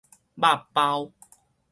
肉包